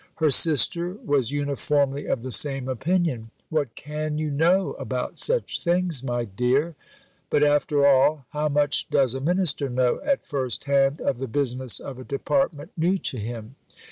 Her sister was uniformly of the same opinion: "What can you know about such things, my dear?" But, after all, how much does a minister know at first hand of the business of a Department new to him?